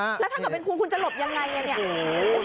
แล้วถ้าเป็นคุณคุณจะหลบยังไงเนี่ย